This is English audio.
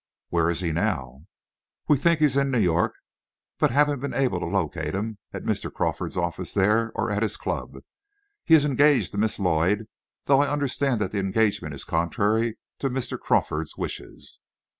"Where is he now?" "We think he's in New York, but haven't yet been able to locate him at Mr. Crawford's office there, or at his club. He is engaged to Miss Lloyd, though I understand that the engagement is contrary to Mr. Crawford's wishes."